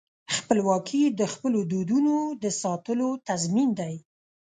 خپلواکي د خپلو دودونو د ساتلو تضمین دی.